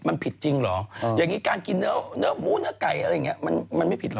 มันผิดจริงเหรออย่างนี้การกินเนื้อหมูเนื้อไก่อะไรอย่างนี้มันไม่ผิดห